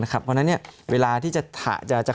เพราะฉะนั้นเวลาที่จะถะ